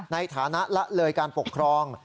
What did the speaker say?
ในฐานะละเลยการปกครอง